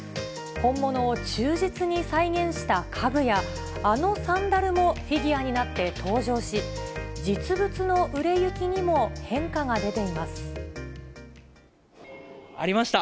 本物を忠実に再現した家具や、あのサンダルもフィギュアになって登場し、実物の売れ行きにも変ありました。